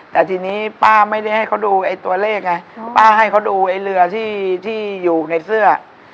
แต่ทีนี้ป้าไม่ได้ให้เขาดูไอ้ตัวเลขไงป้าให้เขาดูไอ้เรือที่อยู่ในเสื้อ